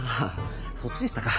そっちでしたか。